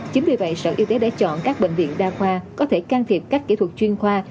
chính vì vậy sở y tế đã chọn các bệnh viện đa khoa có thể can thiệp các kỹ thuật chuyên khoa